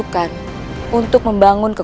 membuat mereka merasa mengerakkan